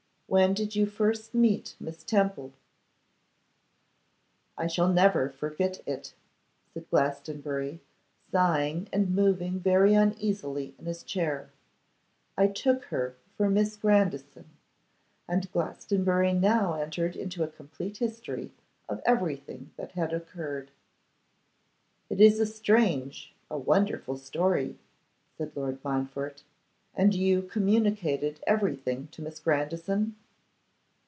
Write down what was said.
When did you first meet Miss Temple?' 'I shall never forget it,' said Glastonbury, sighing and moving very uneasily in his chair. 'I took her for Miss Grandison.' And Glastonbury now entered into a complete history of everything that had occurred. 'It is a strange, a wonderful story,' said Lord Montfort, 'and you communicated everything to Miss Grandison?